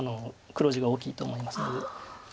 黒地が大きいと思いますので。